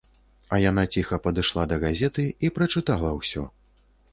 А яна ціха падышла да газеты і прачытала ўсё.